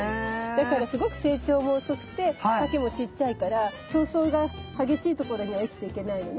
だからすごく成長も遅くて丈もちっちゃいから競争が激しい所には生きていけないのね。